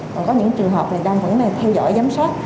và có những trường hợp này đang vẫn theo dõi giám sát